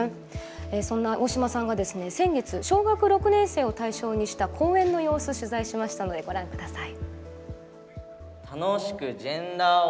そんな大嶋さんが先月、小学６年生を対象にした公演の様子を取材したのでご覧ください。